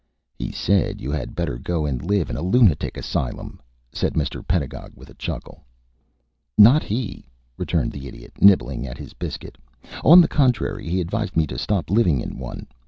"He said you had better go and live in a lunatic asylum," said Mr. Pedagog, with a chuckle. "Not he," returned the Idiot, nibbling at his biscuit. "On the contrary. He advised me to stop living in one.